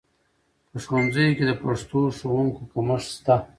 په ښوونځیو کې د پښتو ښوونکو کمښت شته